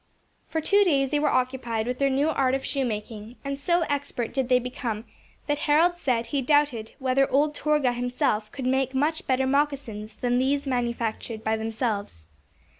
For two days they were occupied with their new art of shoe making, and so expert did they become, that Harold said he doubted whether old Torgah himself could make much better moccasins than those manufactured by themselves.